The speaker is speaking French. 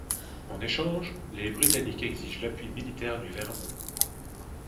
En échange, les Britanniques exigent l'appui militaire du Vermont.